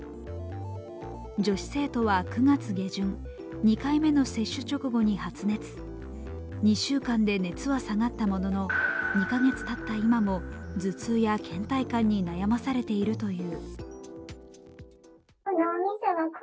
女子生徒は９月下旬、２回目の接種直後に発熱、２週間で熱は下がったものの２カ月たった今も頭痛やけん怠感に悩まされているという。